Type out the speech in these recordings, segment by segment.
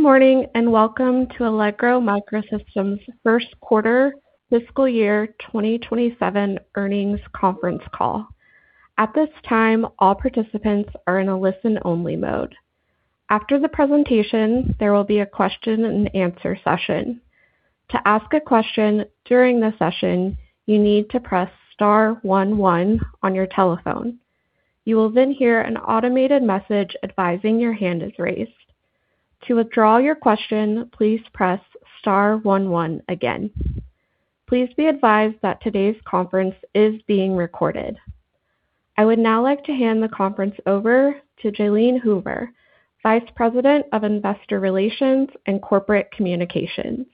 Morning, welcome to Allegro MicroSystems' first quarter fiscal year 2027 earnings conference call. At this time, all participants are in a listen-only mode. After the presentation, there will be a question-and-answer session. To ask a question during the session, you need to press star one one on your telephone. You will then hear an automated message advising your hand is raised. To withdraw your question, please press star one one again. Please be advised that today's conference is being recorded. I would now like to hand the conference over to Jalene Hoover, Vice President of Investor Relations and Corporate Communications.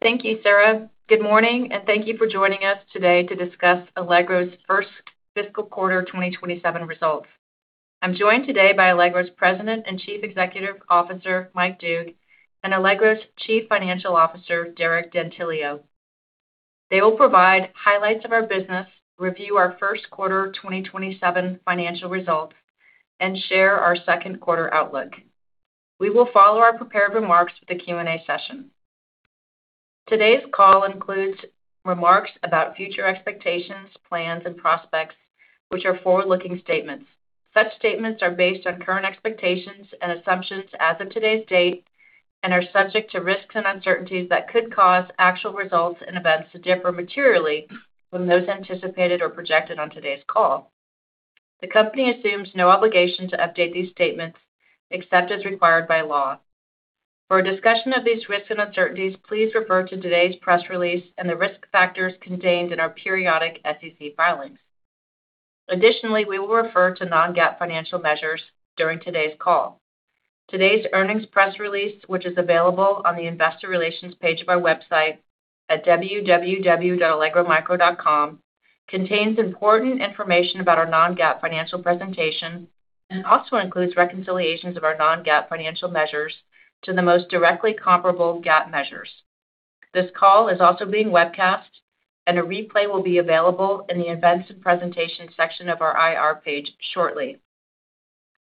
Thank you, Sarah. Good morning, thank you for joining us today to discuss Allegro's first fiscal quarter 2027 results. I'm joined today by Allegro's President and Chief Executive Officer, Mike Doogue, and Allegro's Chief Financial Officer, Derek D'Antilio. They will provide highlights of our business, review our first quarter 2027 financial results, and share our second quarter outlook. We will follow our prepared remarks with a question-and-answer session. Today's call includes remarks about future expectations, plans, and prospects, which are forward-looking statements. Such statements are based on current expectations and assumptions as of today's date and are subject to risks and uncertainties that could cause actual results and events to differ materially from those anticipated or projected on today's call. The company assumes no obligation to update these statements, except as required by law. For a discussion of these risks and uncertainties, please refer to today's press release and the risk factors contained in our periodic SEC filings. Additionally, we will refer to Non-GAAP financial measures during today's call. Today's earnings press release, which is available on the investor relations page of our website at www.allegromicro.com, contains important information about our Non-GAAP financial presentation and also includes reconciliations of our Non-GAAP financial measures to the most directly comparable GAAP measures. This call is also being webcast, and a replay will be available in the events and presentations section of our IR page shortly.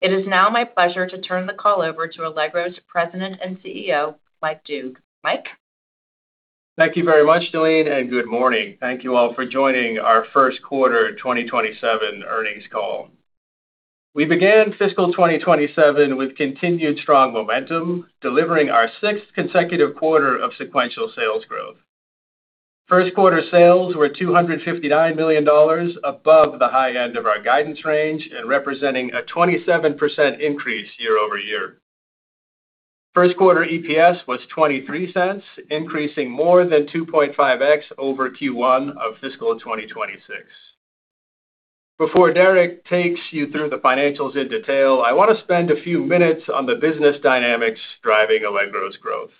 It is now my pleasure to turn the call over to Allegro's President and Chief Executive Officer, Mike Doogue. Mike? Thank you very much, Jalene, good morning. Thank you all for joining our first quarter 2027 earnings call. We began fiscal 2027 with continued strong momentum, delivering our sixth consecutive quarter of sequential sales growth. First quarter sales were $259 million above the high end of our guidance range and representing a 27% increase year-over-year. First quarter EPS was $0.23, increasing more than 2.5x over Q1 of fiscal year 2026. Before Derek takes you through the financials in detail, I want to spend a few minutes on the business dynamics driving Allegro's growth.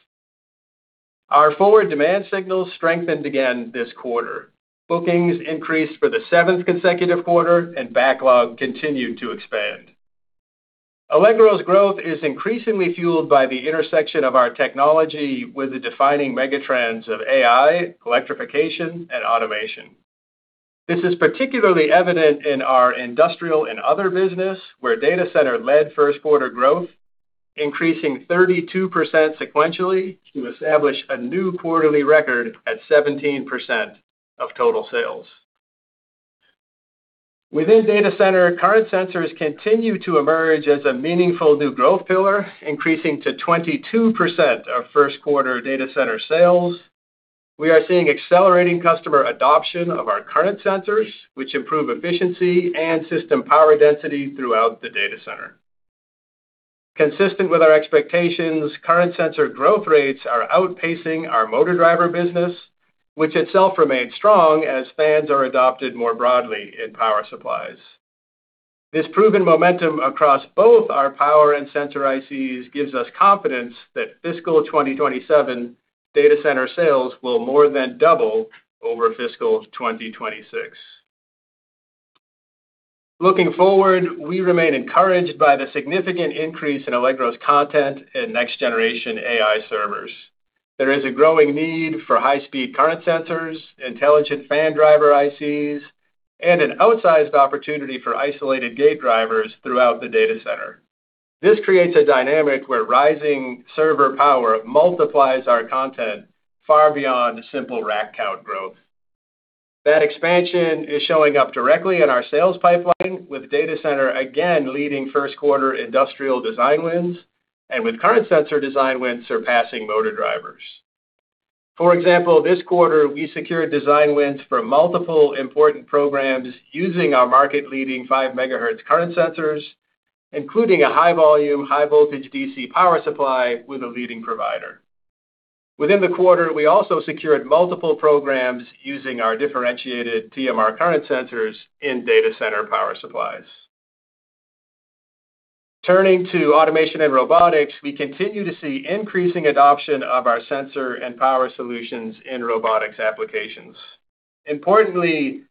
Our forward demand signals strengthened again this quarter. Bookings increased for the seventh consecutive quarter, and backlog continued to expand. Allegro's growth is increasingly fueled by the intersection of our technology with the defining megatrends of AI, electrification, and automation. This is particularly evident in our industrial and other business, where data center led first quarter growth, increasing 32% sequentially to establish a new quarterly record at 17% of total sales. Within data center, current sensors continue to emerge as a meaningful new growth pillar, increasing to 22% of first quarter data center sales. We are seeing accelerating customer adoption of our current sensors, which improve efficiency and system power density throughout the data center. Consistent with our expectations, current sensor growth rates are outpacing our motor driver business, which itself remains strong as fans are adopted more broadly in power supplies. This proven momentum across both our power and sensor ICs gives us confidence that fiscal 2027 data center sales will more than double over fiscal 2026. Looking forward, we remain encouraged by the significant increase in Allegro's content in next generation AI servers. There is a growing need for high-speed current sensors, intelligent fan driver ICs, and an outsized opportunity for isolated gate drivers throughout the data center. This creates a dynamic where rising server power multiplies our content far beyond simple rack count growth. That expansion is showing up directly in our sales pipeline, with data center again leading first quarter industrial design wins and with current sensor design wins surpassing motor drivers. For example, this quarter, we secured design wins for multiple important programs using our market leading 5 MHz current sensors, including a high volume, high voltage DC power supply with a leading provider. Within the quarter, we also secured multiple programs using our differentiated TMR current sensors in data center power supplies. Turning to automation and robotics, we continue to see increasing adoption of our sensor and power solutions in robotics applications. Importantly,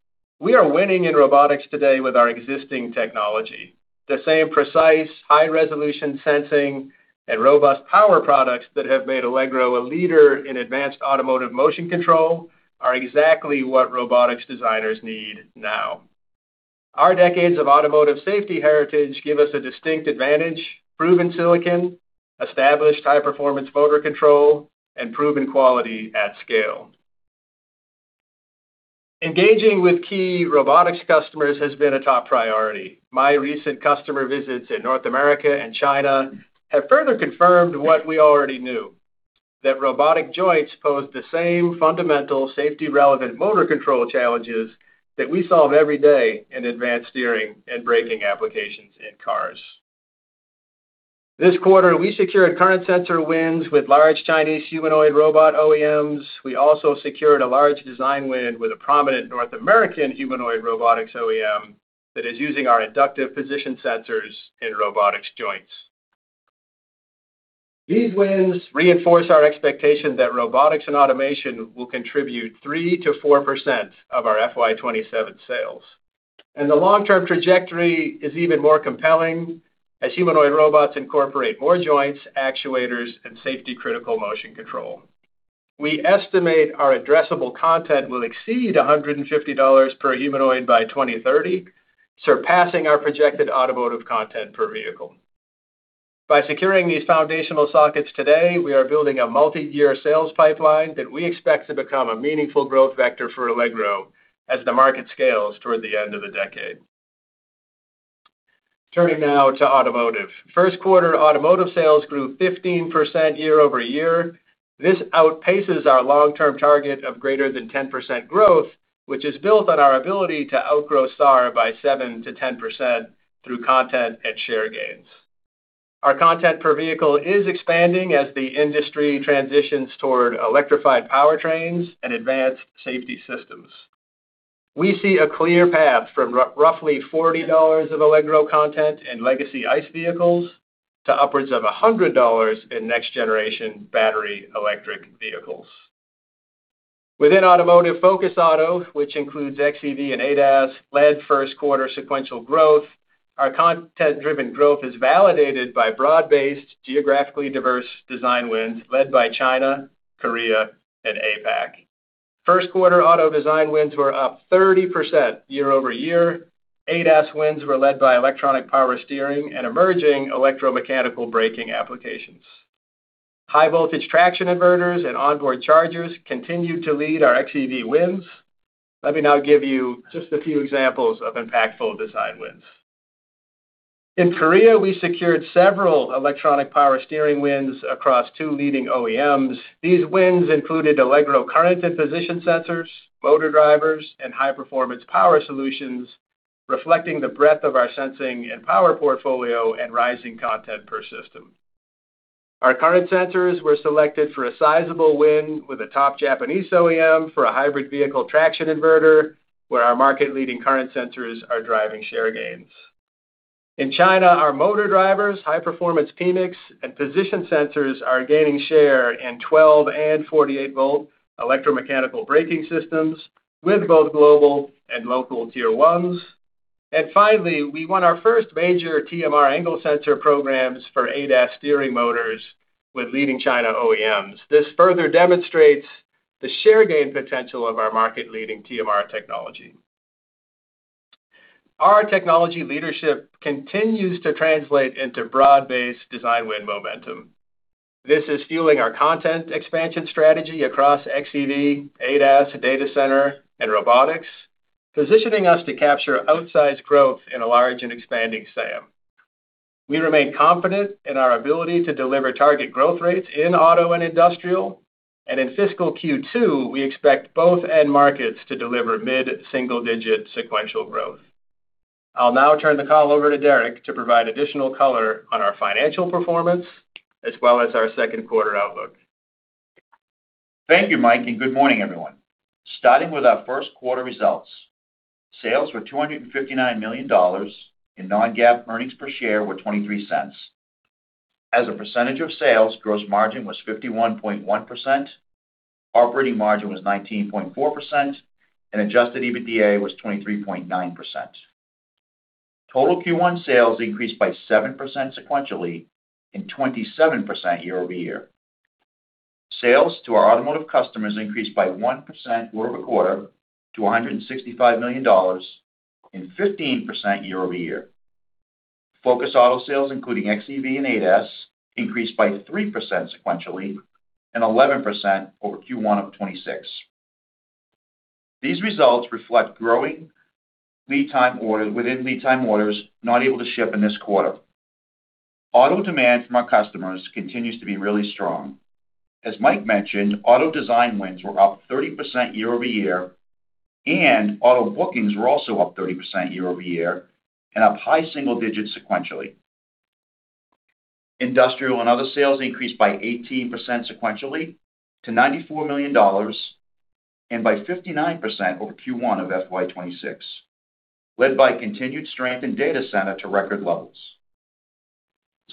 we are winning in robotics today with our existing technology. The same precise high resolution sensing and robust power products that have made Allegro a leader in advanced automotive motion control are exactly what robotics designers need now. Our decades of automotive safety heritage give us a distinct advantage, proven silicon, established high-performance motor control, and proven quality at scale. Engaging with key robotics customers has been a top priority. My recent customer visits in North America and China have further confirmed what we already knew, that robotic joints pose the same fundamental safety-relevant motor control challenges that we solve every day in advanced steering and braking applications in cars. This quarter, we secured current sensor wins with large Chinese humanoid robot OEMs. We also secured a large design win with a prominent North American humanoid robotics OEM that is using our inductive position sensors in robotics joints. These wins reinforce our expectation that robotics and automation will contribute 3%-4% of our fiscal year 2027 sales. The long-term trajectory is even more compelling as humanoid robots incorporate more joints, actuators, and safety-critical motion control. We estimate our addressable content will exceed $150 per humanoid by 2030, surpassing our projected automotive content per vehicle. By securing these foundational sockets today, we are building a multiyear sales pipeline that we expect to become a meaningful growth vector for Allegro as the market scales toward the end of the decade. Turning now to automotive. First quarter automotive sales grew 15% year-over-year. This outpaces our long-term target of greater than 10% growth, which is built on our ability to outgrow SAAR by 7%-10% through content and share gains. Our content per vehicle is expanding as the industry transitions toward electrified powertrains and advanced safety systems. We see a clear path from roughly $40 of Allegro content in legacy ICE vehicles to upwards of $100 in next generation battery electric vehicles. Within automotive Focus Auto, which includes xEV and ADAS, led first quarter sequential growth. Our content-driven growth is validated by broad-based, geographically diverse design wins led by China, Korea, and APAC. First quarter auto design wins were up 30% year-over-year. ADAS wins were led by electronic power steering and emerging electromechanical braking applications. High voltage traction inverters and onboard chargers continued to lead our xEV wins. Let me now give you just a few examples of impactful design wins. In Korea, we secured several electronic power steering wins across two leading OEMs. These wins included Allegro current and position sensors, motor drivers, and high performance power solutions, reflecting the breadth of our sensing and power portfolio and rising content per system. Our current sensors were selected for a sizable win with a top Japanese OEM for a hybrid vehicle traction inverter, where our market leading current sensors are driving share gains. In China, our motor drivers, high performance PMICs, and position sensors are gaining share in 12-volt and 48-volt electromechanical braking systems with both global and local Tier 1s. Finally, we won our first major TMR angle sensor programs for ADAS steering motors with leading China OEMs. This further demonstrates the share gain potential of our market leading TMR technology. Our technology leadership continues to translate into broad-based design win momentum. This is fueling our content expansion strategy across xEV, ADAS, data center, and robotics, positioning us to capture outsized growth in a large and expanding SAM. We remain confident in our ability to deliver target growth rates in auto and industrial, and in fiscal Q2, we expect both end markets to deliver mid-single digit sequential growth. I'll now turn the call over to Derek to provide additional color on our financial performance as well as our second quarter outlook. Thank you, Mike, and good morning, everyone. Starting with our first quarter results. Sales were $259 million, and Non-GAAP earnings per share were $0.23. As a percentage of sales, gross margin was 51.1%, operating margin was 19.4%, and adjusted EBITDA was 23.9%. Total Q1 sales increased by 7% sequentially and 27% year-over-year. Sales to our automotive customers increased by 1% quarter-over-quarter to $165 million and 15% year-over-year. Focus Auto sales, including xEV and ADAS, increased by 3% sequentially and 11% over Q1 of 2026. These results reflect growing within lead time orders not able to ship in this quarter. Auto demand from our customers continues to be really strong. As Mike mentioned, auto design wins were up 30% year-over-year, and auto bookings were also up 30% year-over-year and up high single digits sequentially. Industrial and other sales increased by 18% sequentially to $94 million and by 59% over Q1 of fiscal year 2026, led by continued strength in data center to record levels.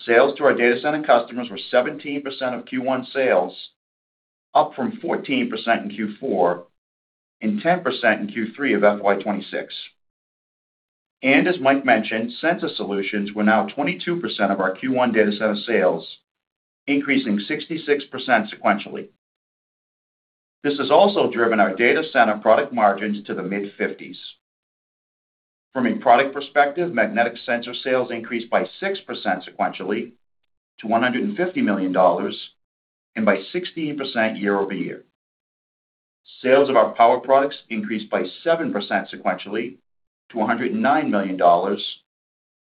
Sales to our data center customers were 17% of Q1 sales, up from 14% in Q4 and 10% in Q3 of fiscal year 2026. As Mike mentioned, sensor solutions were now 22% of our Q1 data center sales, increasing 66% sequentially. This has also driven our data center product margins to the mid-50s. From a product perspective, magnetic sensor sales increased by 6% sequentially to $150 million and by 16% year-over-year. Sales of our power products increased by 7% sequentially to $109 million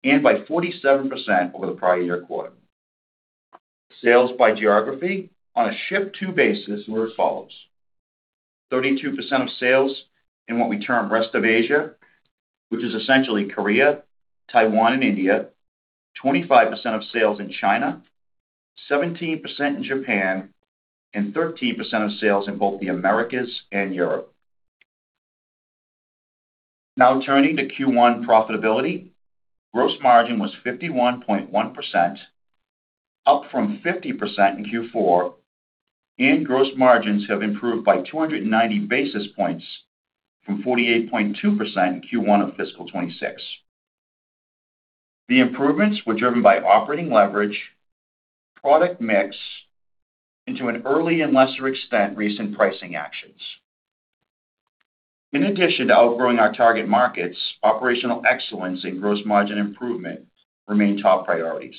and by 47% over the prior year quarter. Sales by geography on a ship to basis were as follows: 32% of sales in what we term rest of Asia, which is essentially Korea, Taiwan, and India, 25% of sales in China, 17% in Japan, and 13% of sales in both the Americas and Europe. Turning to Q1 profitability. Gross margin was 51.1%, up from 50% in Q4, and gross margins have improved by 290 basis points from 48.2% in Q1 of fiscal 2026. The improvements were driven by operating leverage, product mix, and to an early and lesser extent, recent pricing actions. In addition to outgrowing our target markets, operational excellence and gross margin improvement remain top priorities.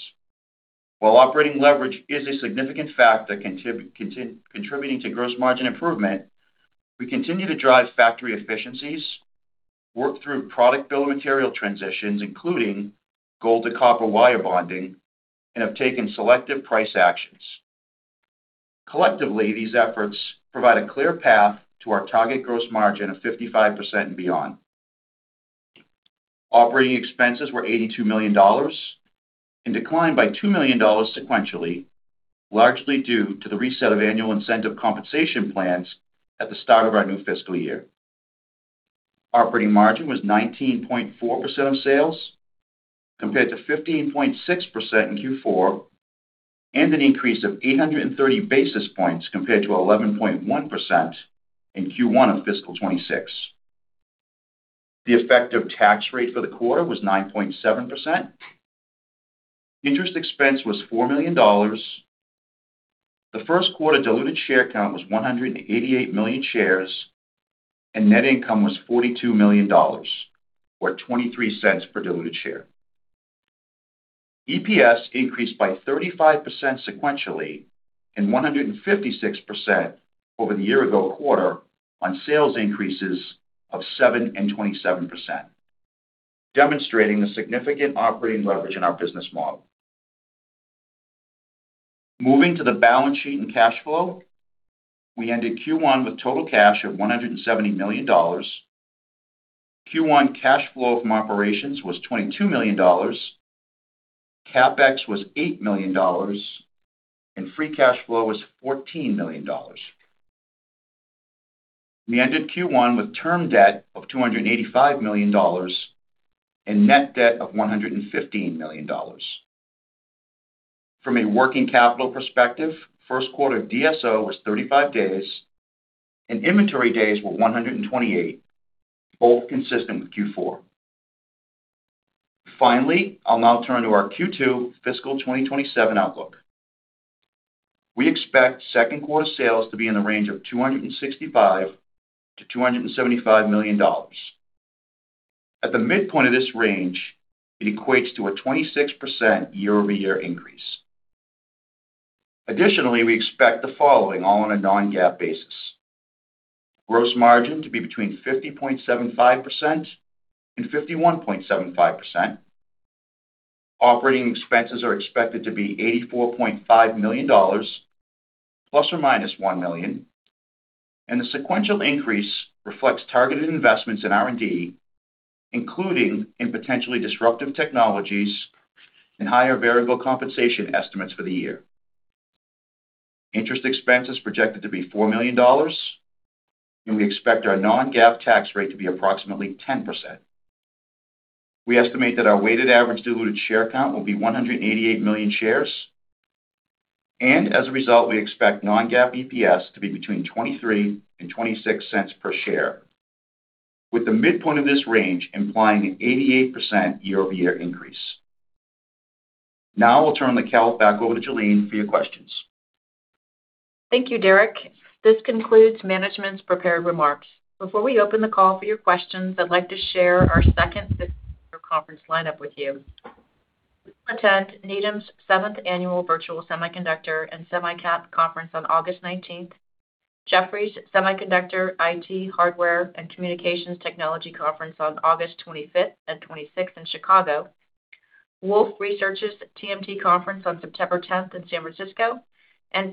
While operating leverage is a significant factor contributing to gross margin improvement, we continue to drive factory efficiencies, work through product bill of material transitions, including gold to copper wire bonding, and have taken selective price actions. Collectively, these efforts provide a clear path to our target gross margin of 55% and beyond. Operating expenses were $82 million and declined by $2 million sequentially, largely due to the reset of annual incentive compensation plans at the start of our new fiscal year. Operating margin was 19.4% of sales, compared to 15.6% in Q4, and an increase of 830 basis points compared to 11.1% in Q1 of fiscal 2026. The effective tax rate for the quarter was 9.7%. Interest expense was $4 million. The first quarter diluted share count was 188 million shares, and net income was $42 million, or $0.23 per diluted share. EPS increased by 35% sequentially and 156% over the year-ago quarter on sales increases of 7% and 27%, demonstrating the significant operating leverage in our business model. Moving to the balance sheet and cash flow. We ended Q1 with total cash of $170 million. Q1 cash flow from operations was $22 million. CapEx was $8 million, and free cash flow was $14 million. We ended Q1 with term debt of $285 million and net debt of $115 million. From a working capital perspective, first quarter DSO was 35 days, and inventory days were 128, both consistent with Q4. Finally, I will now turn to our Q2 fiscal year 2027 outlook. We expect second quarter sales to be in the range of $265 million-$275 million. At the midpoint of this range, it equates to a 26% year-over-year increase. Additionally, we expect the following all on a Non-GAAP basis. Gross margin to be between 50.75%-51.75%. Operating expenses are expected to be $84.5 million, ±$1 million, the sequential increase reflects targeted investments in R&D, including in potentially disruptive technologies and higher variable compensation estimates for the year. Interest expense is projected to be $4 million, we expect our Non-GAAP tax rate to be approximately 10%. We estimate that our weighted average diluted share count will be 188 million shares, as a result, we expect Non-GAAP EPS to be between $0.23-$0.26 per share, with the midpoint of this range implying an 88% year-over-year increase. Now I'll turn the call back over to Jalene for your questions. Thank you, Derek. This concludes management's prepared remarks. Before we open the call for your questions, I'd like to share our second conference lineup with you. We will attend Needham's seventh annual virtual semiconductor and semi-cap conference on August 19th, Jefferies Semiconductor, IT, Hardware and Communications Technology Conference on August 25th and August 26th in Chicago, Wolfe Research's TMT Conference on September 10th in San Francisco,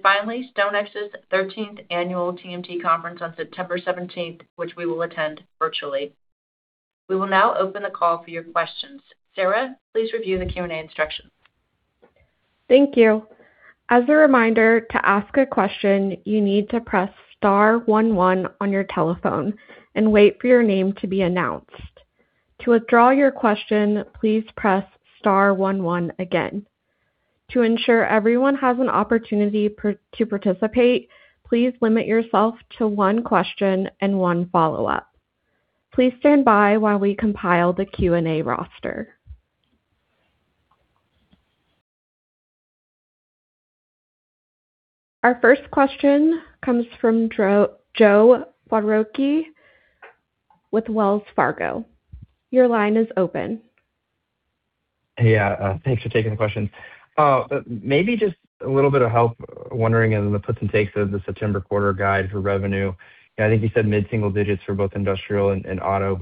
finally, StoneX's 13th Annual TMT Conference on September 17th, which we will attend virtually. We will now open the call for your questions. Sarah, please review the question-and-answer instructions. Thank you. As a reminder, to ask a question, you need to press star one one on your telephone and wait for your name to be announced. To withdraw your question, please press star one one again. To ensure everyone has an opportunity to participate, please limit yourself to one question and one follow-up. Please stand by while we compile the question-and-answer roster. Our first question comes from Joe Quatrochi with Wells Fargo. Your line is open. Hey. Thanks for taking the questions. Maybe just a little bit of help, wondering in the puts and takes of the September quarter guide for revenue. I think you said mid-single digits for both industrial and auto,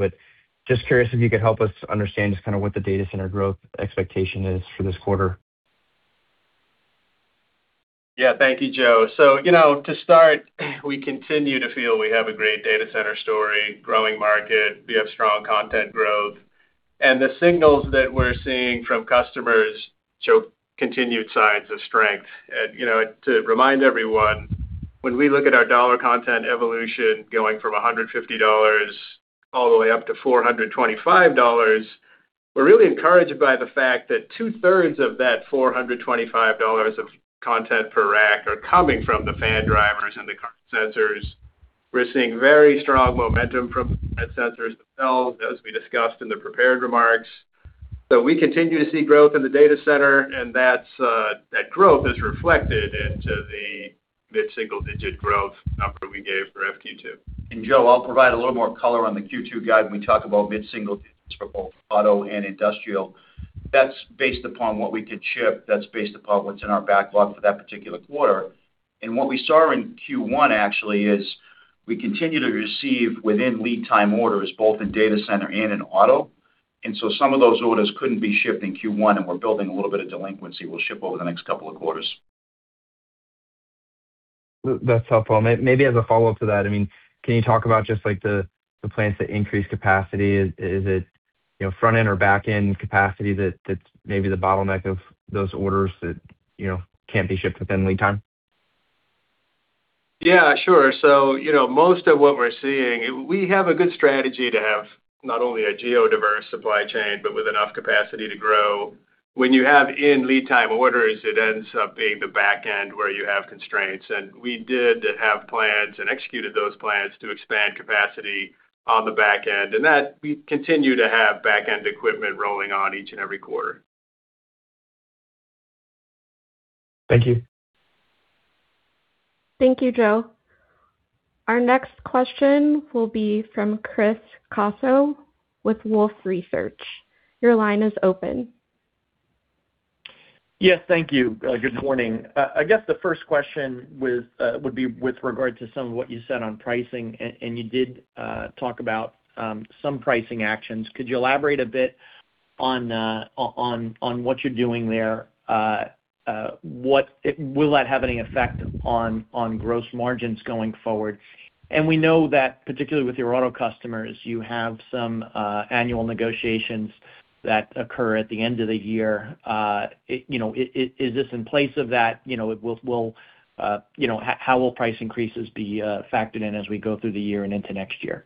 just curious if you could help us understand just what the data center growth expectation is for this quarter. Yeah. Thank you, Joe. To start, we continue to feel we have a great data center story, growing market, we have strong content growth. The signals that we're seeing from customers show continued signs of strength. To remind everyone, when we look at our dollar content evolution going from $150 all the way up to $425, we're really encouraged by the fact that 2/3 of that $425 of content per rack are coming from the fan drivers and the current sensors. We're seeing very strong momentum from current sensors themselves, as we discussed in the prepared remarks. We continue to see growth in the data center, and that growth is reflected into the mid-single digit growth number we gave for FQ2. Joe, I'll provide a little more color on the Q2 guide when we talk about mid-single digits for both auto and industrial. That's based upon what we could ship, that's based upon what's in our backlog for that particular quarter. What we saw in Q1 actually is we continue to receive within lead time orders, both in data center and in auto. Some of those orders couldn't be shipped in Q1, and we're building a little bit of delinquency we'll ship over the next couple of quarters. That's helpful. Maybe as a follow-up to that, can you talk about just the plans to increase capacity? Is it front-end or back-end capacity that's maybe the bottleneck of those orders that can't be shipped within lead time? Yeah, sure. Most of what we're seeing, we have a good strategy to have not only a geo-diverse supply chain, but with enough capacity to grow. When you have in lead time orders, it ends up being the back end where you have constraints. We did have plans and executed those plans to expand capacity on the back end, and that we continue to have back-end equipment rolling on each and every quarter. Thank you. Thank you, Joe. Our next question will be from Chris Caso with Wolfe Research. Your line is open. Yes, thank you. Good morning. I guess the first question would be with regard to some of what you said on pricing, you did talk about some pricing actions. Could you elaborate a bit on what you're doing there? Will that have any effect on gross margins going forward? We know that particularly with your auto customers, you have some annual negotiations that occur at the end of the year. Is this in place of that? How will price increases be factored in as we go through the year and into next year?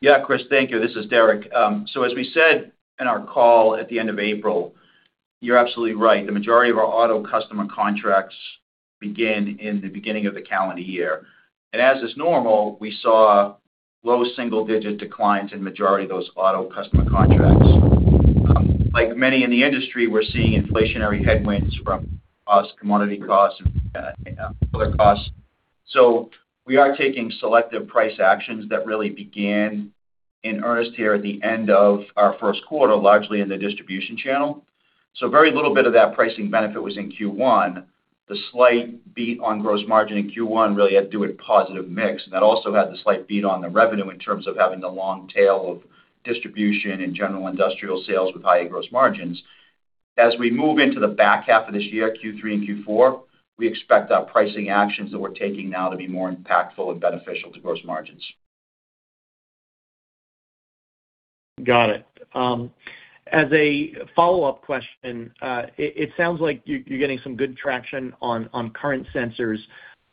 Yeah, Chris, thank you. This is Derek. As we said in our call at the end of April, you're absolutely right. The majority of our auto customer contracts begin in the beginning of the calendar year. As is normal, we saw low single-digit declines in majority of those auto customer contracts. Like many in the industry, we're seeing inflationary headwinds from us, commodity costs and other costs. We are taking selective price actions that really began in earnest here at the end of our first quarter, largely in the distribution channel. Very little bit of that pricing benefit was in Q1. The slight beat on gross margin in Q1 really had to do with positive mix, and that also had the slight beat on the revenue in terms of having the long tail of distribution and general industrial sales with higher gross margins. As we move into the back half of this year, Q3 and Q4, we expect our pricing actions that we're taking now to be more impactful and beneficial to gross margins. Got it. As a follow-up question, it sounds like you're getting some good traction on current sensors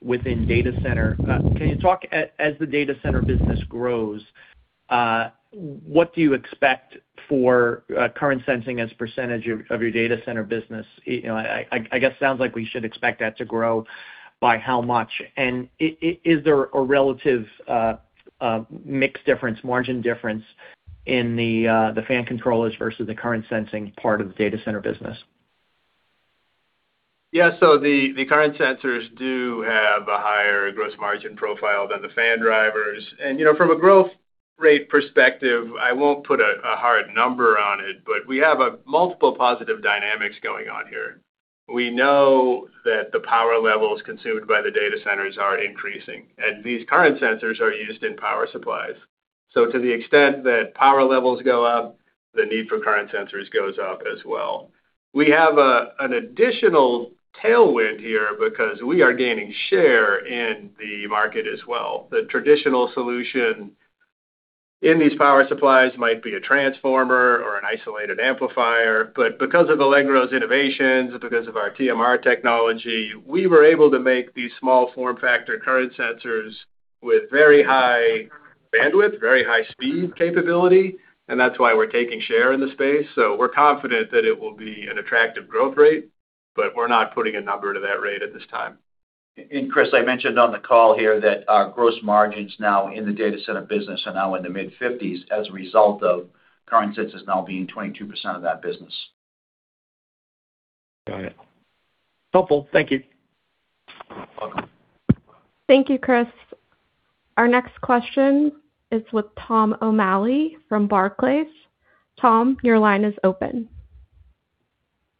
within data center. Can you talk, as the data center business grows, what do you expect for current sensing as % of your data center business? I guess, sounds like we should expect that to grow by how much? Is there a relative mix difference, margin difference in the fan controllers versus the current sensing part of the data center business? Yeah. The current sensors do have a higher gross margin profile than the fan drivers. From a growth rate perspective, I won't put a hard number on it, but we have multiple positive dynamics going on here. We know that the power levels consumed by the data centers are increasing. These current sensors are used in power supplies. To the extent that power levels go up, the need for current sensors goes up as well. We have an additional tailwind here because we are gaining share in the market as well. The traditional solution in these power supplies might be a transformer or an isolated amplifier, but because of Allegro's innovations, because of our TMR technology, we were able to make these small form factor current sensors with very high bandwidth, very high speed capability. That's why we're taking share in the space. We're confident that it will be an attractive growth rate, but we're not putting a number to that rate at this time. Chris, I mentioned on the call here that our gross margins now in the data center business are now in the mid-50s as a result of current sensors now being 22% of that business. Got it. Helpful. Thank you. Welcome. Thank you, Chris. Our next question is with Tom O'Malley from Barclays. Tom, your line is open.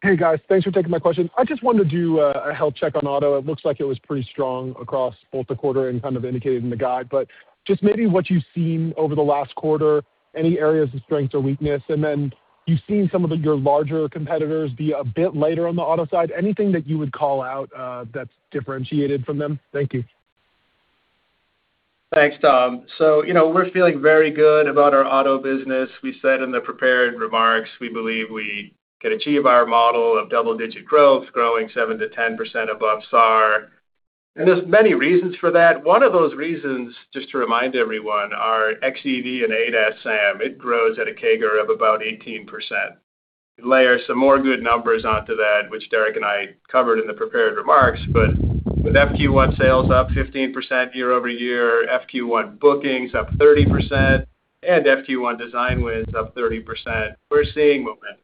Hey, guys. Thanks for taking my question. I just wanted to do a health check on auto. It looks like it was pretty strong across both the quarter and kind of indicated in the guide, just maybe what you've seen over the last quarter, any areas of strength or weakness, then you've seen some of your larger competitors be a bit later on the auto side. Anything that you would call out that's differentiated from them? Thank you. Thanks, Tom. We're feeling very good about our auto business. We said in the prepared remarks, we believe we can achieve our model of double-digit growth, growing 7%-10% above SAAR, and there's many reasons for that. One of those reasons, just to remind everyone, are xEV and ADAS SAM, it grows at a CAGR of about 18%. Layer some more good numbers onto that, which Derek and I covered in the prepared remarks, but with FQ1 sales up 15% year-over-year, FQ1 bookings up 30%, and FQ1 design wins up 30%, we're seeing momentum.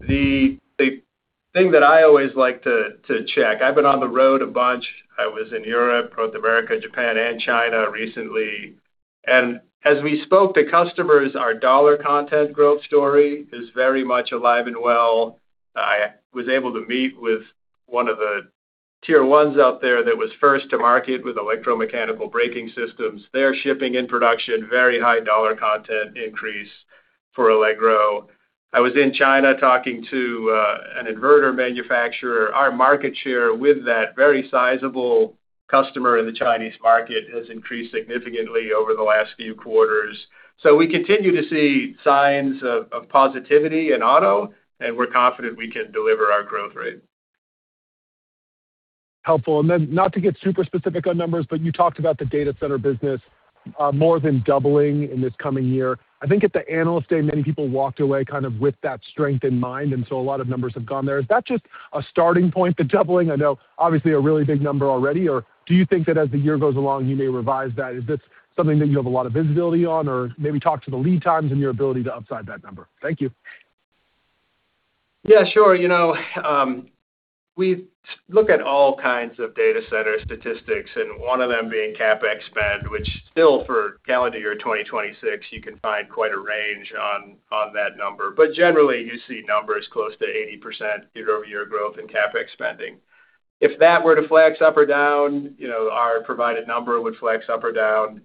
The thing that I always like to check, I've been on the road a bunch. I was in Europe, North America, Japan, and China recently, and as we spoke to customers, our dollar content growth story is very much alive and well. I was able to meet with one of the tier 1s out there that was first to market with electromechanical braking systems. They're shipping in production, very high dollar content increase for Allegro. I was in China talking to an inverter manufacturer. Our market share with that very sizable customer in the Chinese market has increased significantly over the last few quarters. We continue to see signs of positivity in auto, and we're confident we can deliver our growth rate. Helpful. Not to get super specific on numbers, but you talked about the data center business more than doubling in this coming year. I think at the Analyst Day, many people walked away kind of with that strength in mind, a lot of numbers have gone there. Is that just a starting point, the doubling? I know obviously a really big number already, or do you think that as the year goes along, you may revise that? Is this something that you have a lot of visibility on, or maybe talk to the lead times and your ability to upside that number? Thank you. Yeah, sure. We look at all kinds of data center statistics and one of them being CapEx spend, which still for calendar year 2026, you can find quite a range on that number. Generally, you see numbers close to 80% year-over-year growth in CapEx spending. If that were to flex up or down, our provided number would flex up or down.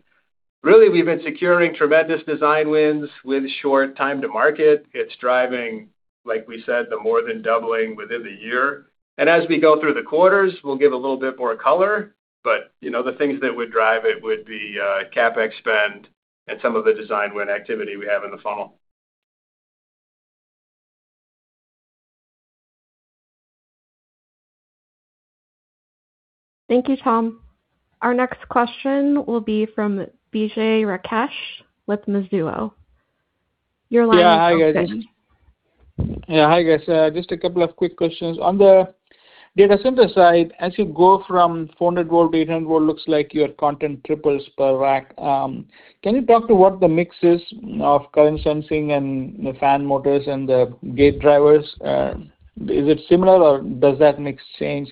Really, we've been securing tremendous design wins with short time to market. It's driving, like we said, the more than doubling within the year. As we go through the quarters, we'll give a little bit more color. The things that would drive it would be CapEx spend and some of the design win activity we have in the funnel. Thank you, Tom. Our next question will be from Vijay Rakesh with Mizuho. Your line is open. Yeah. Hi, guys. Just a couple of quick questions. On the data center side, as you go from 400-volt, 800-volt, looks like your content triples per rack. Can you talk to what the mix is of current sensing and the fan motors and the gate drivers? Is it similar or does that mix change?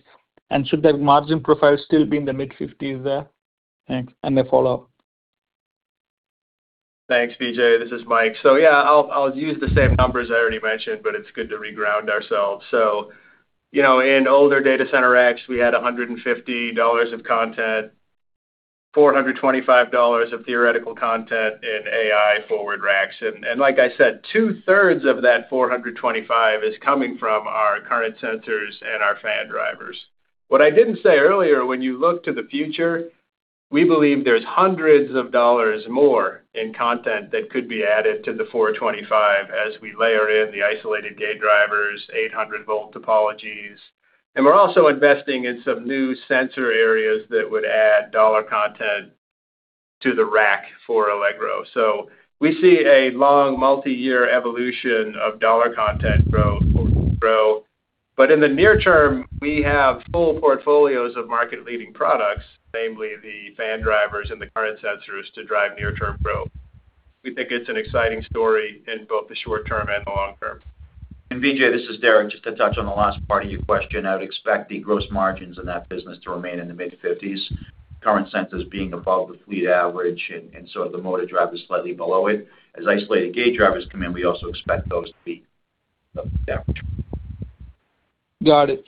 Should that margin profile still be in the mid-50s% there? Thanks. A follow-up. Thanks, Vijay. This is Mike. Yeah, I'll use the same numbers I already mentioned, but it's good to reground ourselves. In older data center racks, we had $150 of content, $425 of theoretical content in AI forward racks. Like I said, 2/3 of that $425 is coming from our current sensors and our fan drivers. What I didn't say earlier, when you look to the future, we believe there's hundreds of dollars more in content that could be added to the $425 as we layer in the isolated gate drivers, 800-volt topologies. We're also investing in some new sensor areas that would add dollar content to the rack for Allegro. We see a long multi-year evolution of dollar content growth. In the near term, we have full portfolios of market-leading products, namely the fan drivers and the current sensors to drive near-term growth. We think it's an exciting story in both the short term and the long term. Vijay, this is Derek. Just to touch on the last part of your question, I would expect the gross margins in that business to remain in the mid-50s. Current sensors being above the fleet average, so the motor drive is slightly below it. As isolated gate drivers come in, we also expect those to be above the average. Got it.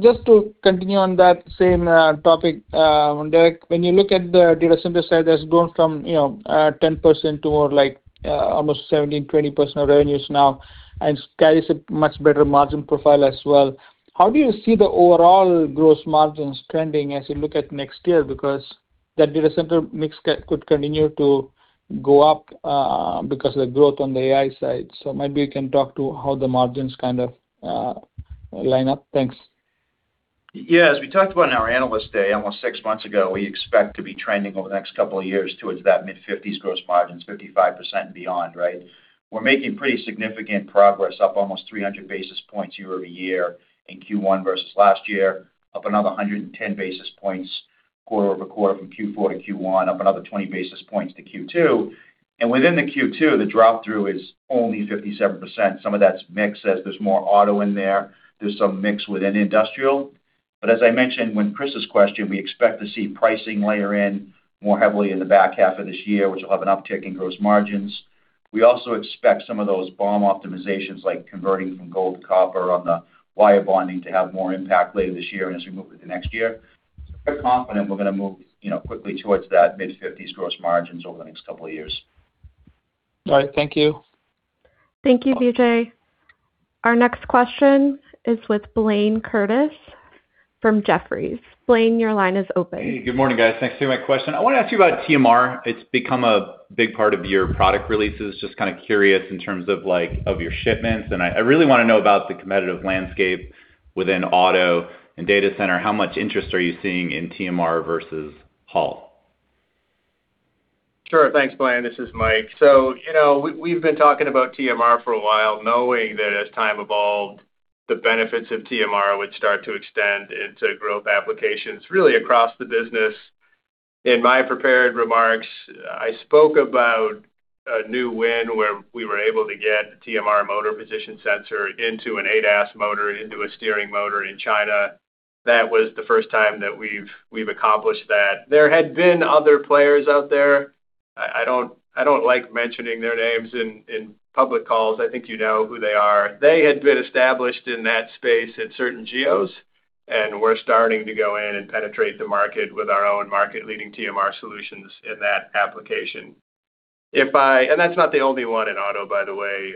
Just to continue on that same topic, Derek, when you look at the data center side that's grown from 10% to more like almost 17%-20% of revenues now and carries a much better margin profile as well, how do you see the overall gross margins trending as you look at next year? Because that data center mix could continue to go up because of the growth on the AI side, so maybe you can talk to how the margins kind of line up. Thanks. We talked about in our Analyst Day almost six months ago, we expect to be trending over the next couple of years towards that mid-50s gross margins, 55% and beyond, right? We're making pretty significant progress, up almost 300 basis points year-over-year in Q1 versus last year, up another 110 basis points quarter-over-quarter from Q4 to Q1, up another 20 basis points to Q2. Within the Q2, the drop-through is only 57%. Some of that's mix as there's more auto in there. There's some mix within industrial. But as I mentioned with Chris's question, we expect to see pricing layer in more heavily in the back half of this year, which will have an uptick in gross margins. We also expect some of those BOM optimizations, like converting from gold to copper on the wire bonding, to have more impact later this year and as we move into next year. Quite confident we're going to move quickly towards that mid-50s gross margins over the next couple of years. All right. Thank you. Thank you, Vijay. Our next question is with Blayne Curtis from Jefferies. Blayne, your line is open. Hey, good morning, guys. Thanks for taking my question. I want to ask you about TMR. It's become a big part of your product releases. Just kind of curious in terms of your shipments, and I really want to know about the competitive landscape within auto and data center. How much interest are you seeing in TMR versus Hall? Sure. Thanks, Blayne. This is Mike. We've been talking about TMR for a while, knowing that as time evolved, the benefits of TMR would start to extend into growth applications, really across the business. In my prepared remarks, I spoke about a new win where we were able to get TMR motor position sensor into an ADAS motor, into a steering motor in China. That was the first time that we've accomplished that. There had been other players out there. I don't like mentioning their names in public calls. I think you know who they are. They had been established in that space at certain geos, and we're starting to go in and penetrate the market with our own market-leading TMR solutions in that application. That's not the only one in auto, by the way.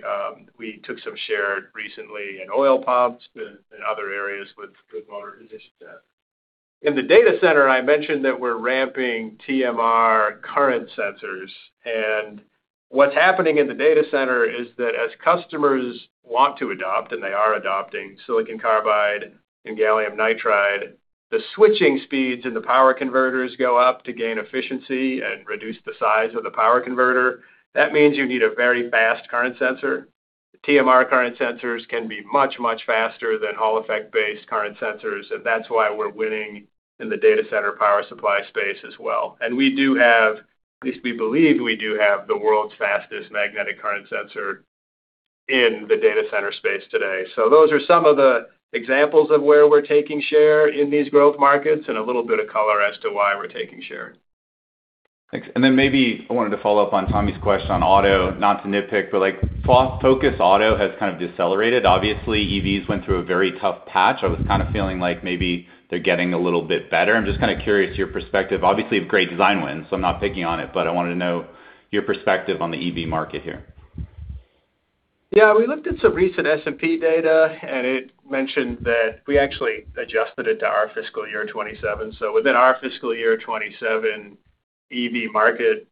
We took some share recently in oil pumps and other areas with motor position. In the data center, I mentioned that we're ramping TMR current sensors. What's happening in the data center is that as customers want to adopt, and they are adopting silicon carbide and gallium nitride, the switching speeds in the power converters go up to gain efficiency and reduce the size of the power converter. That means you need a very fast current sensor. TMR current sensors can be much, much faster than Hall effect based current sensors, and that's why we're winning in the data center power supply space as well. We do have, at least we believe we do have the world's fastest magnetic current sensor in the data center space today. Those are some of the examples of where we're taking share in these growth markets and a little bit of color as to why we're taking share. Thanks. Maybe I wanted to follow up on Tommy's question on auto, not to nitpick, but Focus Auto has kind of decelerated. Obviously, EVs went through a very tough patch. I was kind of feeling like maybe they're getting a little bit better. I'm just kind of curious your perspective, obviously, have great design wins, so I'm not picking on it, but I wanted to know your perspective on the EV market here. We looked at some recent S&P data, it mentioned that we actually adjusted it to our fiscal year 2027. Within our fiscal year 2027 EV market,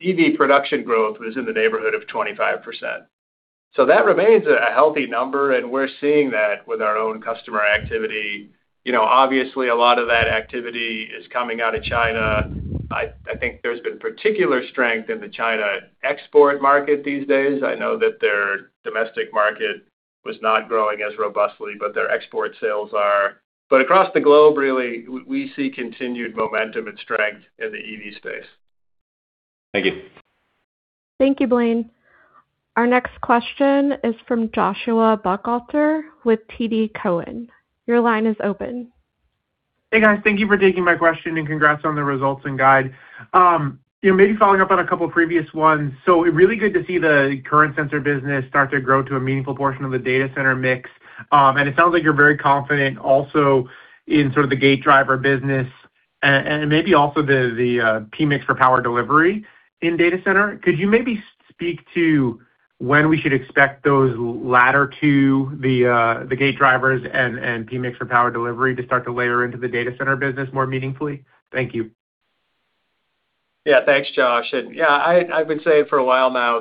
EV production growth was in the neighborhood of 25%. That remains a healthy number, we're seeing that with our own customer activity. Obviously, a lot of that activity is coming out of China. I think there's been particular strength in the China export market these days. I know that their domestic market was not growing as robustly, but their export sales are. Across the globe, really, we see continued momentum and strength in the EV space. Thank you. Thank you, Blayne. Our next question is from Joshua Buchalter with TD Cowen. Your line is open. Hey, guys. Thank you for taking my question. Congrats on the results and guide. Maybe following up on a couple previous ones. Really good to see the current sensor business start to grow to a meaningful portion of the data center mix. It sounds like you're very confident also in sort of the gate driver business and maybe also the PMIC for power delivery in data center. Could you maybe speak to when we should expect those latter two, the gate drivers and PMIC for power delivery to start to layer into the data center business more meaningfully? Thank you. Yeah. Thanks, Joshua. Yeah, I've been saying for a while now,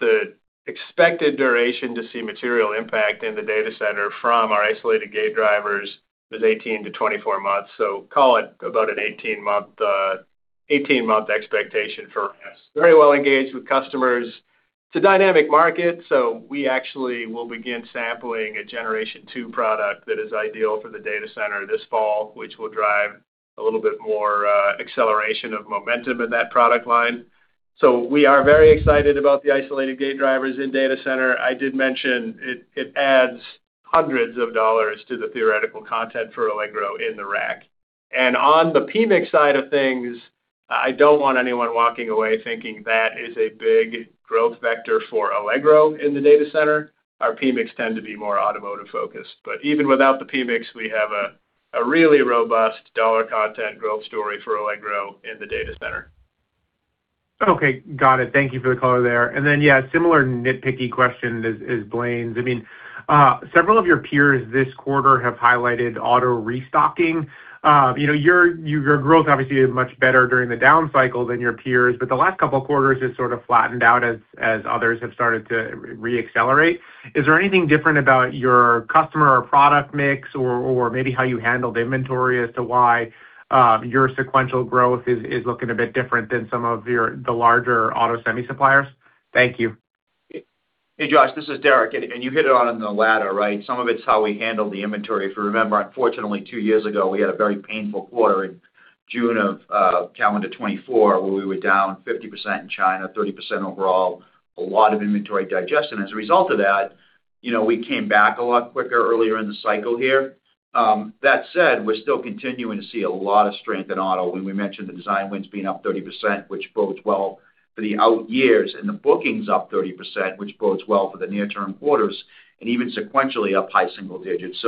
the expected duration to see material impact in the data center from our isolated gate drivers is 18 months-24 months. Call it about an 18-month expectation for us. Very well engaged with customers. It's a dynamic market. We actually will begin sampling a Generation 2 product that is ideal for the data center this fall, which will drive a little bit more acceleration of momentum in that product line. We are very excited about the isolated gate drivers in data center. I did mention it adds hundreds of dollars to the theoretical content for Allegro in the rack. On the PMIC side of things, I don't want anyone walking away thinking that is a big growth vector for Allegro in the data center. Our PMICs tend to be more automotive focused, but even without the PMICs, we have a really robust dollar content growth story for Allegro MicroSystems in the data center. Okay, got it. Thank you for the color there. Then, yeah, similar nitpicky question as Blayne's. Several of your peers this quarter have highlighted auto restocking. Your growth obviously is much better during the down cycle than your peers, but the last couple quarters has sort of flattened out as others have started to re-accelerate. Is there anything different about your customer or product mix or maybe how you handle the inventory as to why your sequential growth is looking a bit different than some of the larger auto semi suppliers? Thank you. Hey, Joshua, this is Derek, and you hit it on the latter, right? Some of it's how we handle the inventory. If you remember, unfortunately, two years ago, we had a very painful quarter in June of calendar 2024, where we were down 50% in China, 30% overall, a lot of inventory digestion. As a result of that, we came back a lot quicker earlier in the cycle here. That said, we're still continuing to see a lot of strength in auto. When we mentioned the design wins being up 30%, which bodes well for the out years, and the bookings up 30%, which bodes well for the near-term quarters, and even sequentially up high single digits.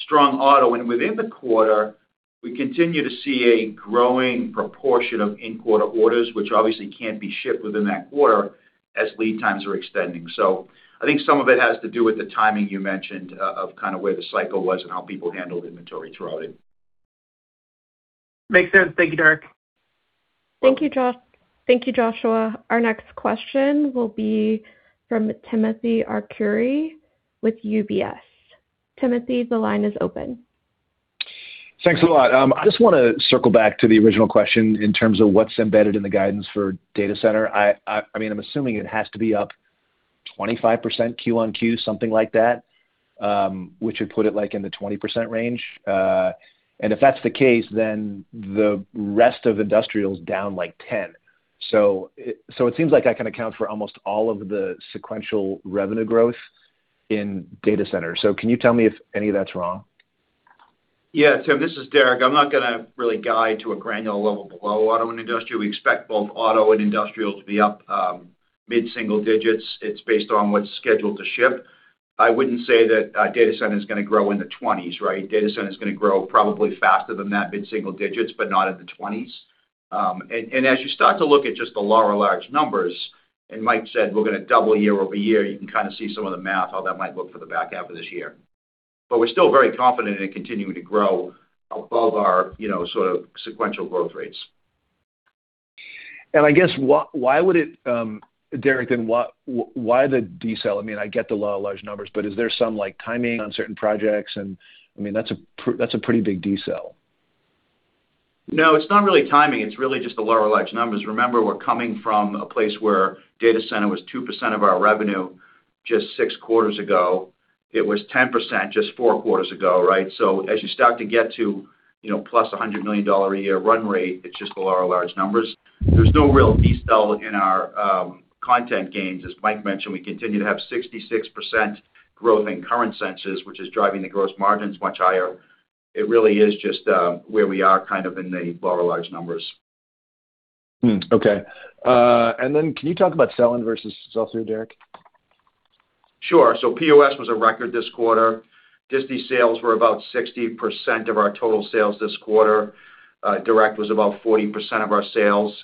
Strong auto. Within the quarter, we continue to see a growing proportion of in-quarter orders, which obviously can't be shipped within that quarter as lead times are extending. I think some of it has to do with the timing you mentioned of where the cycle was and how people handled inventory throughout it. Makes sense. Thank you, Derek. Thank you, Joshua. Our next question will be from Timothy Arcuri with UBS. Timothy, the line is open. Thanks a lot. I just want to circle back to the original question in terms of what's embedded in the guidance for data center. I'm assuming it has to be up 25% Q1Q, something like that, which would put it, like, in the 20% range. If that's the case, then the rest of industrial is down, like, 10%. It seems like that can account for almost all of the sequential revenue growth in data center. Can you tell me if any of that's wrong? Yeah, Tim, this is Derek. I'm not going to really guide to a granular level below auto and industrial. We expect both auto and industrial to be up mid-single digits. It's based on what's scheduled to ship. I wouldn't say that data center is going to grow in the 20s, right? Data center is going to grow probably faster than that, mid-single digits, but not in the 20s. As you start to look at just the lower large numbers, and Mike said we're going to double year-over-year, you can kind of see some of the math, how that might look for the back half of this year. We're still very confident in continuing to grow above our sort of sequential growth rates. I guess, Derek, why the decel? I get the lower large numbers, is there some timing on certain projects? That's a pretty big decel. No, it's not really timing. It's really just the lower large numbers. Remember, we're coming from a place where data center was 2% of our revenue just six quarters ago. It was 10% just four quarters ago, right? As you start to get to +$100 million a year run rate, it's just the lower large numbers. There's no real decel in our content gains. As Mike mentioned, we continue to have 66% growth in current sensors, which is driving the gross margins much higher. It really is just where we are kind of in the lower large numbers. Hmm, okay. Can you talk about sell-in versus sell-through, Derek? Sure. POS was a record this quarter. Disti sales were about 60% of our total sales this quarter. Direct was about 40% of our sales,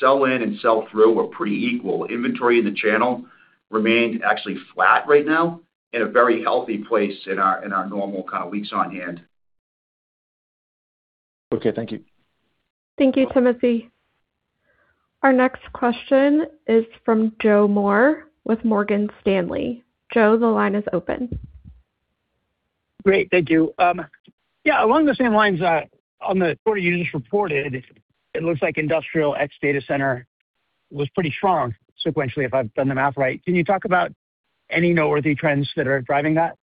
sell-in and sell-through were pretty equal. Inventory in the channel remained actually flat right now in a very healthy place in our normal weeks on hand. Okay, thank you. Thank you, Timothy. Our next question is from Joseph Moore with Morgan Stanley. Joe, the line is open. Great. Thank you. Yeah, along the same lines on the quarter you just reported, it looks like industrial ex data center was pretty strong sequentially, if I've done the math right. Can you talk about any noteworthy trends that are driving that?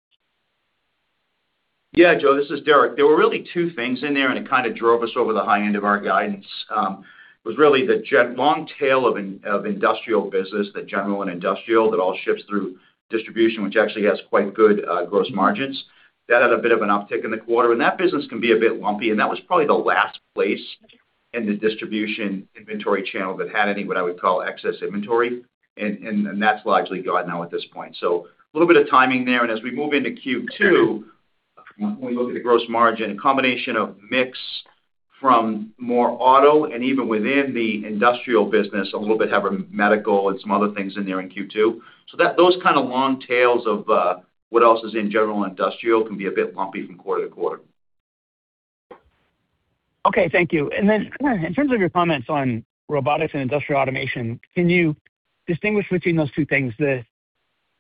Yeah, Joe, this is Derek. There were really two things in there, and it kind of drove us over the high end of our guidance. It was really the long tail of industrial business, the general and industrial, that all ships through distribution, which actually has quite good gross margins. That had a bit of an uptick in the quarter, and that business can be a bit lumpy, and that was probably the last place in the distribution inventory channel that had any, what I would call, excess inventory. That's largely gone now at this point. A little bit of timing there. As we move into Q2, when we look at the gross margin, a combination of mix from more auto and even within the industrial business, a little bit heavier medical and some other things in there in Q2. those kind of long tails of what else is in general industrial can be a bit lumpy from quarter to quarter. Okay, thank you. Then in terms of your comments on robotics and industrial automation, can you distinguish between those two things? The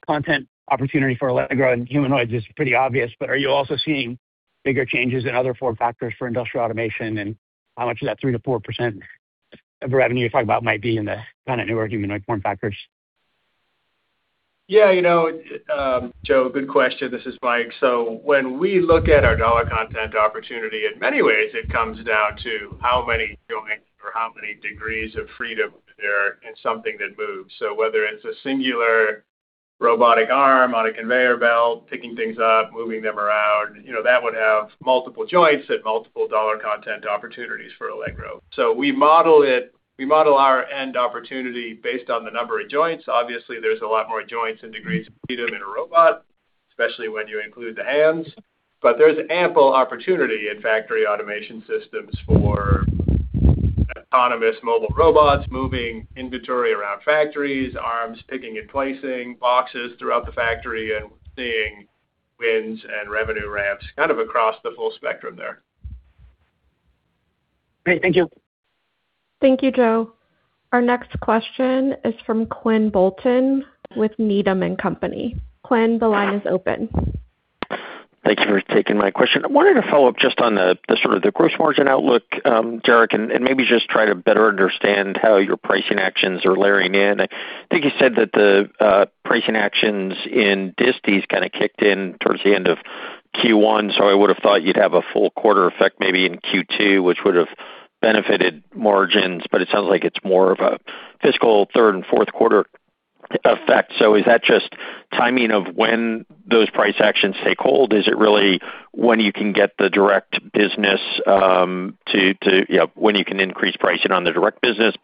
content opportunity for Allegro and humanoids is pretty obvious, but are you also seeing bigger changes in other form factors for industrial automation, and how much of that 3%-4% of revenue you're talking about might be in the kind of newer humanoid form factors? Yeah. Joe, good question. This is Mike. When we look at our dollar content opportunity, in many ways, it comes down to how many joints or how many degrees of freedom there are in something that moves. Whether it's a singular robotic arm on a conveyor belt, picking things up, moving them around, that would have multiple joints and multiple dollar content opportunities for Allegro. We model our end opportunity based on the number of joints. Obviously, there's a lot more joints and degrees of freedom in a robot Especially when you include the hands. There's ample opportunity in factory automation systems for autonomous mobile robots moving inventory around factories, arms picking and placing boxes throughout the factory, and we're seeing wins and revenue ramps kind of across the full spectrum there. Great. Thank you. Thank you, Joe. Our next question is from Quinn Bolton with Needham & Company. Quinn, the line is open. Thank you for taking my question. I wanted to follow up just on the sort of the gross margin outlook, Derek, and maybe just try to better understand how your pricing actions are layering in. I think you said that the pricing actions in distis kind of kicked in towards the end of Q1, I would've thought you'd have a full quarter effect maybe in Q2, which would've benefited margins, but it sounds like it's more of a fiscal third and fourth quarter effect. Is that just timing of when those price actions take hold? Is it really when you can get the direct business to when you can increase pricing on the direct business?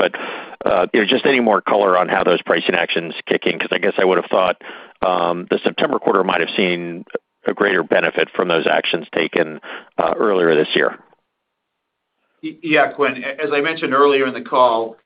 Just any more color on how those pricing actions kick in, because I guess I would've thought, the September quarter might've seen a greater benefit from those actions taken earlier this year. Yeah. Quinn, as I mentioned earlier in the call,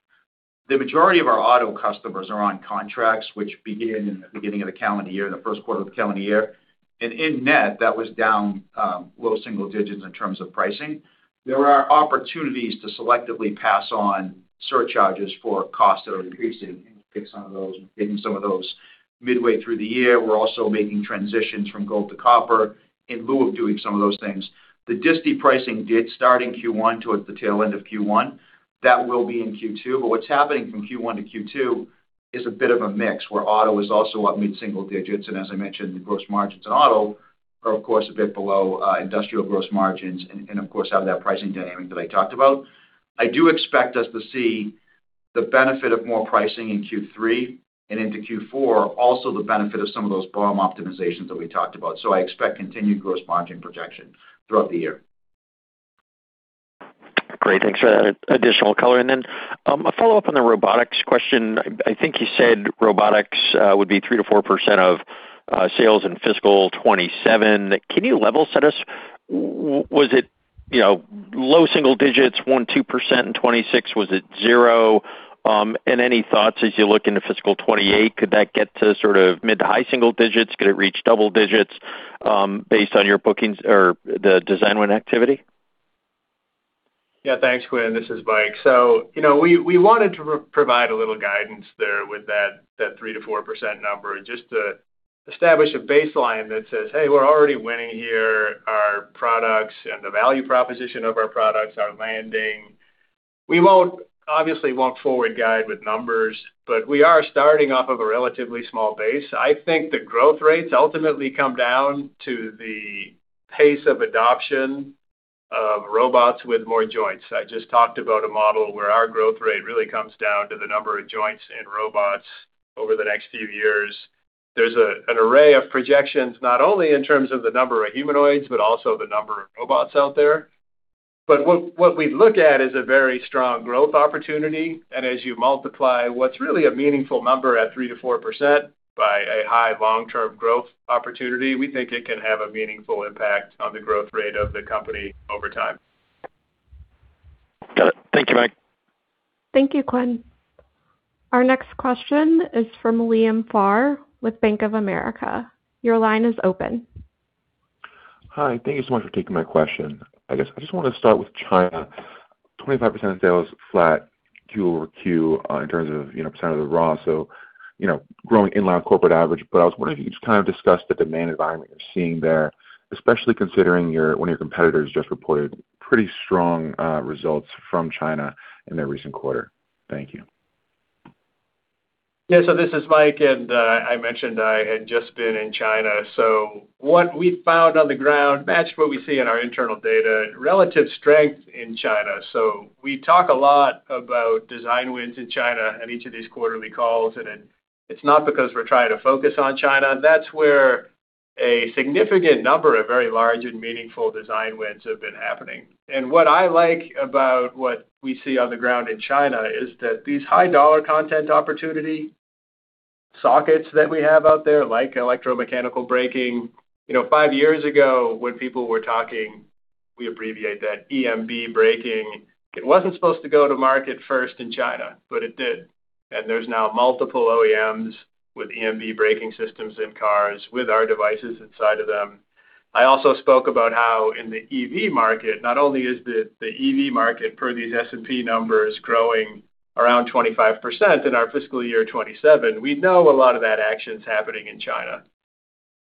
the majority of our auto customers are on contracts, which begin in the beginning of the calendar year, the first quarter of the calendar year. In net, that was down low single digits in terms of pricing. There are opportunities to selectively pass on surcharges for costs that are increasing and take some of those, getting some of those midway through the year. We're also making transitions from gold to copper in lieu of doing some of those things. The disti pricing did start in Q1 towards the tail end of Q1. That will be in Q2, but what's happening from Q1-Q2 is a bit of a mix where auto is also up mid-single digits. As I mentioned, the gross margins in auto are of course a bit below industrial gross margins, and of course, out of that pricing dynamic that I talked about. I do expect us to see the benefit of more pricing in Q3 and into Q4, also the benefit of some of those BOM optimizations that we talked about. I expect continued gross margin projection throughout the year. Thanks for that additional color. A follow-up on the robotics question. I think you said robotics would be 3%-4% of sales in fiscal 2027. Can you level set us? Was it low single digits, 1%, 2% in 2026? Was it zero? Any thoughts as you look into fiscal year 2028, could that get to sort of mid to high single digits? Could it reach double digits, based on your bookings or the design win activity? Yeah. Thanks, Quinn. This is Mike. We wanted to provide a little guidance there with that 3%-4% number just to establish a baseline that says, "Hey, we're already winning here. Our products and the value proposition of our products are landing." We won't obviously walk forward guide with numbers, but we are starting off of a relatively small base. I think the growth rates ultimately come down to the pace of adoption of robots with more joints. I just talked about a model where our growth rate really comes down to the number of joints in robots over the next few years. There's an array of projections, not only in terms of the number of humanoids, but also the number of robots out there. What we look at is a very strong growth opportunity, as you multiply what's really a meaningful number at 3%-4% by a high long-term growth opportunity, we think it can have a meaningful impact on the growth rate of the company over time. Got it. Thank you, Mike. Thank you, Quinn. Our next question is from Liam Farr with Bank of America. Your line is open. Hi. Thank you so much for taking my question. I guess I just want to start with China. 25% sales flat quarter-over-quarter in terms of percent of the raw, growing in line corporate average. I was wondering if you could just kind of discuss the demand environment you're seeing there, especially considering one of your competitors just reported pretty strong results from China in their recent quarter. Thank you. Yeah. This is Mike, and I mentioned I had just been in China. What we found on the ground matched what we see in our internal data, relative strength in China. We talk a lot about design wins in China at each of these quarterly calls, it's not because we're trying to focus on China. That's where a significant number of very large and meaningful design wins have been happening. What I like about what we see on the ground in China is that these high dollar content opportunity sockets that we have out there, like electromechanical braking. Five years ago when people were talking, we abbreviate that EMB braking. It wasn't supposed to go to market first in China, but it did. There's now multiple OEMs with EMB braking systems in cars with our devices inside of them. I also spoke about how in the EV market, not only is the EV market per these S&P Global numbers growing around 25% in our fiscal year 2027, we know a lot of that action's happening in China.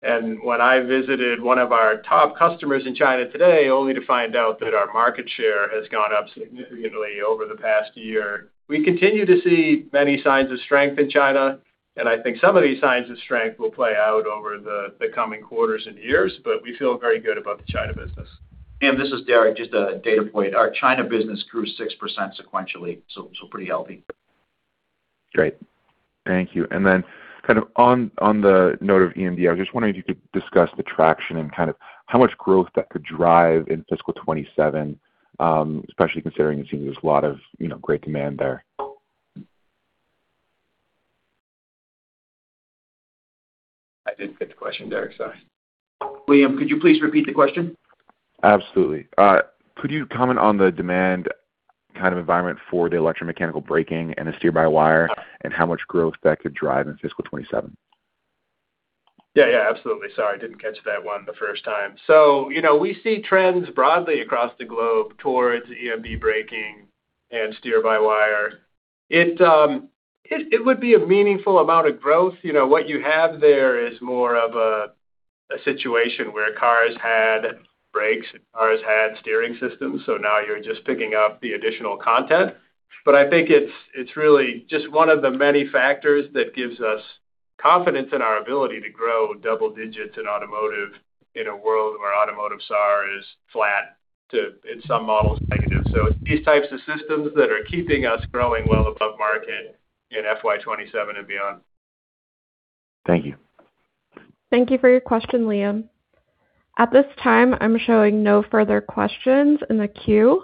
When I visited one of our top customers in China today, only to find out that our market share has gone up significantly over the past year. We continue to see many signs of strength in China, I think some of these signs of strength will play out over the coming quarters and years, we feel very good about the China business. This is Derek, just a data point. Our China business grew 6% sequentially, so pretty healthy. Great. Thank you. Then kind of on the note of EMB, I was just wondering if you could discuss the traction and kind of how much growth that could drive in fiscal 2027, especially considering it seems there's a lot of great demand there. I didn't get the question, Derek. Sorry. Liam, could you please repeat the question? Absolutely. Could you comment on the demand kind of environment for the electromechanical braking and the steer-by-wire, and how much growth that could drive in fiscal 2027? Yeah. Absolutely. Sorry, I didn't catch that one the first time. We see trends broadly across the globe towards EMB braking and steer-by-wire. It would be a meaningful amount of growth. What you have there is more of a situation where cars had brakes and cars had steering systems, so now you're just picking up the additional content. I think it's really just one of the many factors that gives us confidence in our ability to grow double digits in automotive in a world where automotive SAR is flat to, in some models, negative. It's these types of systems that are keeping us growing well above market in fiscal year 2027 and beyond. Thank you. Thank you for your question, Liam. At this time, I'm showing no further questions in the queue,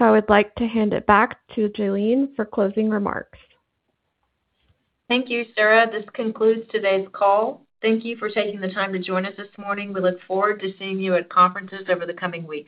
I would like to hand it back to Jalene for closing remarks. Thank you, Sarah. This concludes today's call. Thank you for taking the time to join us this morning. We look forward to seeing you at conferences over the coming weeks.